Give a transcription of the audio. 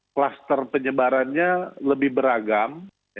kastor penyebarannya lebih beragam